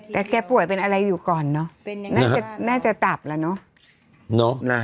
แต่แกป่วยเป็นอะไรอยู่ก่อนเนอะน่าจะน่าจะตับแล้วเนอะ